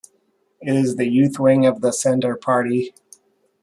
It is the youth wing of the Centre Party.